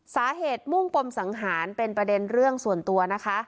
มุ่งปมสังหารเป็นประเด็นเรื่องส่วนตัวนะคะ